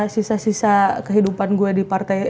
sisa sisa kehidupan gue di partai